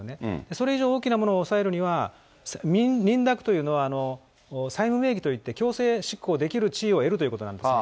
それ以上、大きなものを押さえるには、認諾というのは、債務名義といって強制執行できる地位を得るということなんです。